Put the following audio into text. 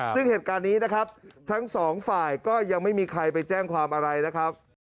ซึ่งเหตุการณ์นี้นะครับทั้งสองฝ่ายก็ยังไม่มีใครไปแจ้งความอะไรนะครับ